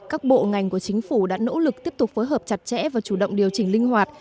các bộ ngành của chính phủ đã nỗ lực tiếp tục phối hợp chặt chẽ và chủ động điều chỉnh linh hoạt